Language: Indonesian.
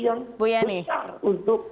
yang besar untuk